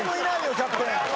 キャプテン。